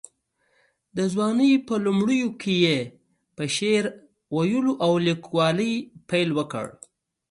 د ځوانۍ په لومړیو کې یې په شعر ویلو او لیکوالۍ پیل وکړ.